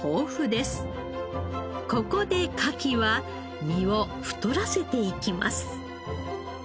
ここでカキは身を太らせていきます。